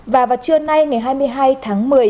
và vào trưa nay ngày hai mươi hai tháng một mươi